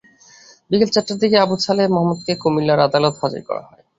বিকেল চারটার দিকে আবু ছালেহ মাহমুদকে কুমিল্লার আদালতে হাজির করা হয়।